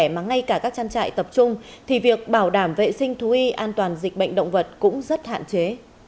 trang trại tập trung thì việc bảo đảm vệ sinh thú y an toàn dịch bệnh động vật cũng rất hạn chế